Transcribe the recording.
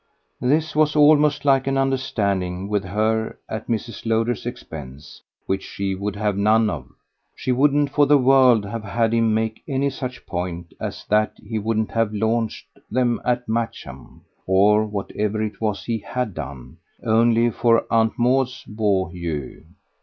This was almost like an understanding with her at Mrs. Lowder's expense, which she would have none of; she wouldn't for the world have had him make any such point as that he wouldn't have launched them at Matcham or whatever it was he HAD done only for Aunt Maud's beaux yeux.